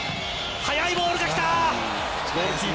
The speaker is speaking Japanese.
速いボールがきた。